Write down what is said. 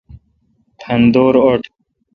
پھندور اٹ۔